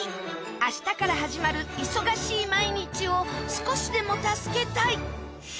明日から始まる忙しい毎日を少しでも助けたい！